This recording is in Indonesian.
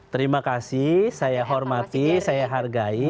terima kasih saya hormati saya hargai